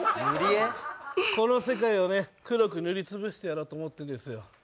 この世界をね、黒く塗りつぶしてやろうと思ってね。